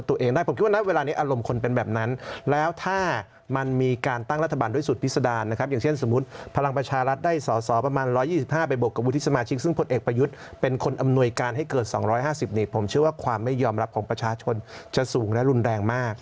ที่เกิด๒๕๐นิดผมเชื่อว่าความไม่ยอมรับของประชาชนจะสูงและรุนแรงมาก